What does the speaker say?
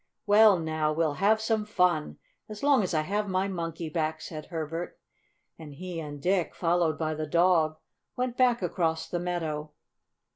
"Well, now we'll have some fun, as long as I have my Monkey back," said Herbert, and he and Dick, followed by the dog, went back across the meadow.